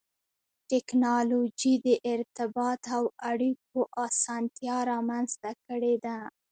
ټکنالوجي د ارتباط او اړیکو اسانتیا رامنځته کړې ده.